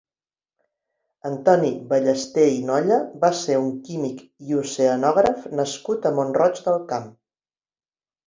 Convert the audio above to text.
Antoni Ballester i Nolla va ser un químic i oceanògraf nascut a Mont-roig del Camp.